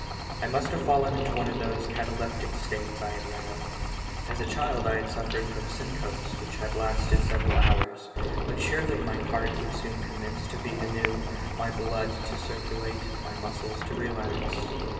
I must have fallen into one of those cataleptic states I had read of. As a child I had suffered from syncopes which had lasted several hours, but surely my heart would soon commence to beat anew, my blood to circulate, my muscles to relax.